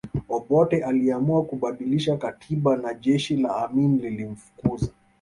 Obote aliamua kubadilisha katiba na jeshi la Amini lilimfukuza